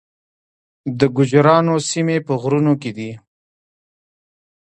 د ګوجرانو سیمې په غرونو کې دي